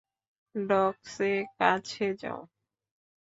Docs এ কাছে যাও।